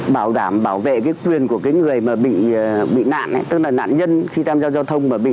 bảo đảm bảo vệ cái quyền của cái người mà bị nạn tức là nạn nhân khi tham gia giao thông mà bị